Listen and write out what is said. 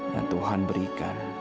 yang tuhan berikan